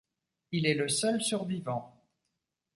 Il est le seul survivant.